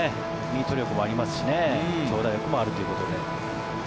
ミート力もありますし長打力もあるということで。